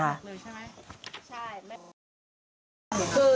ใช่